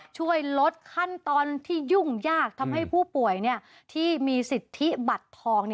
ช่วยลดขั้นตอนที่ยุ่งยากทำให้ผู้ป่วยที่มีสิทธิบัตรทอง